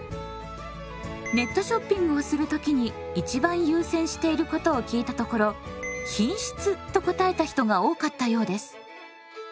ネットショッピングをする時に一番優先していることを聞いたところ品質と答えた人が多かったようです。